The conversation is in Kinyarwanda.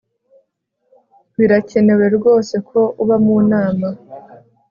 Birakenewe rwose ko uba mu nama